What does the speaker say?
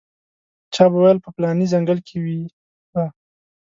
چا به ویل په پلاني ځنګل کې وي به.